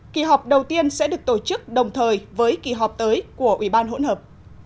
kỳ họp đầu tiên sẽ được tổ chức đồng thời với kỳ họp tới của ủy ban hỗn hợp